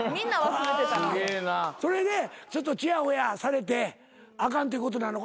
はぁそれでちょっとちやほやされてあかんってことなのか？